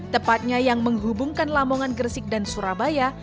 tepatnya yang menghubungkan lamongan gresik dan surabaya